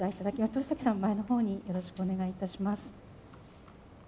豊さん前の方によろしくお願いいたします。